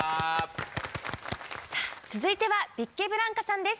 続いてはビッケブランカさんです。